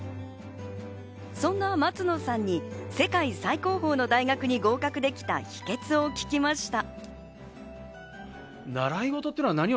そんな松野さんに、世界最高峰の大学に合格できた秘訣を聞きました。